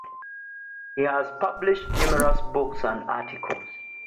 He has published numerous books and articles.